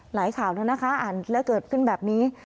หลายข่าวแล้วนะคะอ่านแล้วเกิดขึ้นแบบนี้